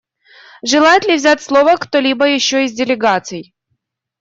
Желает ли взять слово кто-либо еще из делегаций?